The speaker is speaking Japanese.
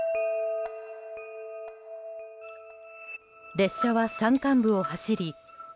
列車は山間部を走り